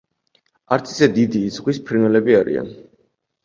არც ისე დიდი, ზღვის ფრინველები არიან.